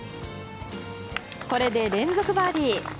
これで連続バーディー！